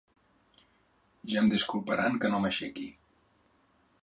Ja em disculparan que no m'aixequi...